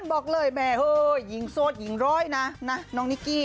บอกเลยแม่เฮ้ยยิงโสดยิงร้อยนะน้องนิกกี้